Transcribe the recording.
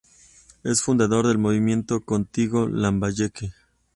Es fundador del movimiento Contigo Lambayeque.